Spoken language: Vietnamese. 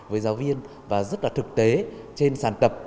với giáo viên và rất là thực tế trên sàn tập